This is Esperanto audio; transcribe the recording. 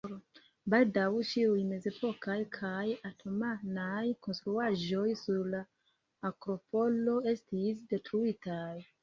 Baldaŭ ĉiuj mezepokaj kaj otomanaj konstruaĵoj sur la Akropolo estis detruitaj.